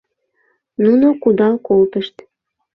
Нуно кудал колтышт.